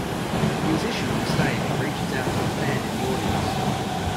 A musician on stage reaches out to a fan in the audience.